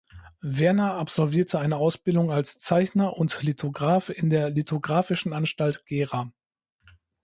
Werner absolvierte eine Ausbildung als Zeichner und Lithograph in der Lithographischen Anstalt Gera.